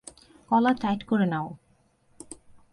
কলার tight করে নাও।